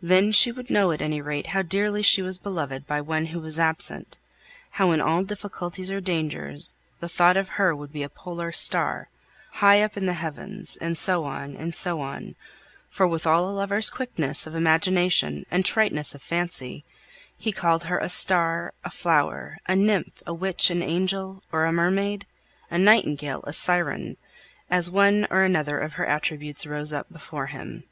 Then she would know at any rate how dearly she was beloved by one who was absent; how in all difficulties or dangers the thought of her would be a polar star, high up in the heavens, and so on, and so on; for with all a lover's quickness of imagination and triteness of fancy, he called her a star, a flower, a nymph, a witch, an angel, or a mermaid, a nightingale, a siren, as one or another of her attributes rose up before him.